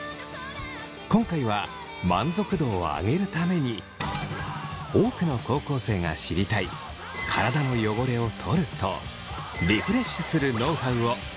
今回は満足度をあげるために多くの高校生が知りたい「体の汚れをとる」と「リフレッシュする」ノウハウを紹介します。